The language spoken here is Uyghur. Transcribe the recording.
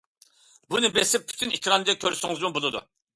بۇنى بېسىپ پۈتۈن ئېكراندا كۆرسىڭىزمۇ بولىدۇ.